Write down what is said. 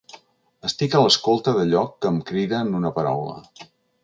Estic a l’escolta d’allò que em crida en una paraula.